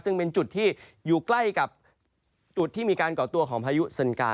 ซึ่งเป็นจุดที่อยู่ใกล้กับจุดที่มีการก่อตัวของพายุเซินกา